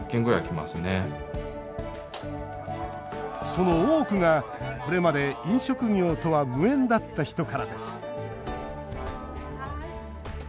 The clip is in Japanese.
その多くが、これまで飲食業とは無縁だった人からです。